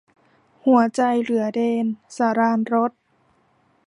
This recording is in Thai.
หัวใจเหลือเดน - สราญรส